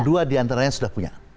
dua di antaranya sudah punya